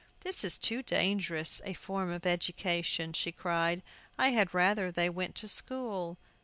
"This is too dangerous a form of education," she cried; "I had rather they went to school."